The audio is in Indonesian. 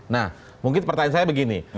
nah mungkin pertanyaan saya begini